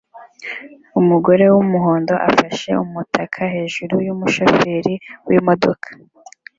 Umugore wumuhondo afashe umutaka hejuru yumushoferi wimodoka